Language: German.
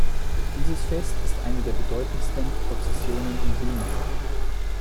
Dieses Fest ist eine der bedeutendsten Prozessionen in Lima.